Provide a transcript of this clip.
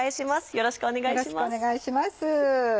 よろしくお願いします。